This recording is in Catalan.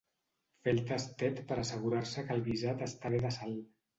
Fer el tastet per assegurar-se que el guisat està bé de sal.